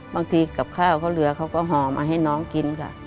กับข้าวเขาเหลือเขาก็ห่อมาให้น้องกินค่ะ